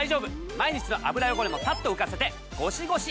毎日の油汚れもサッと浮かせてゴシゴシいらず。